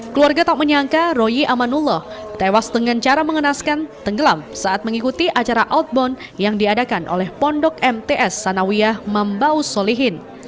keluarga tak menyangka roy amanullah tewas dengan cara mengenaskan tenggelam saat mengikuti acara outbound yang diadakan oleh pondok mts sanawiyah membaus solihin